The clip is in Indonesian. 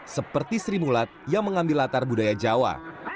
seperti sri mulat yang mengambil latar budaya jawa